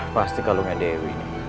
pasti kalungnya dewi